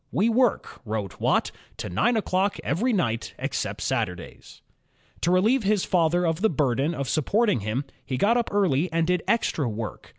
"We work," wrote Watt, "to nine o'clock every night, except Satur days." To relieve his father of the burden of supporting him, he got up early and did extra work.